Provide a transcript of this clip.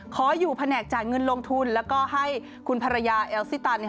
ขออยู่แผนกจ่ายเงินลงทุนแล้วก็ให้คุณภรรยาเอลซิตัน